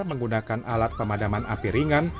menggunakan alat pemadaman api ringan